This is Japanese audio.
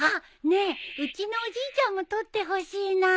ねえうちのおじいちゃんも撮ってほしいな。